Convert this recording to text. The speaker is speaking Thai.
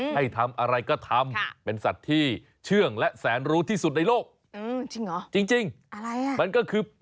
ให้ทำอะไรก็ทำเป็นสัตว์ที่เชื่องและแสนรู้ที่สุดในโลก